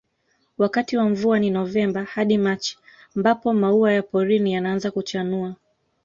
Wakati wa mvua ni Novemba hadi Machi mbapo maua ya porini yanaaza kuchanua